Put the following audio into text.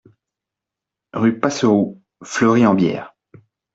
Rue Passeroux, Fleury-en-Bière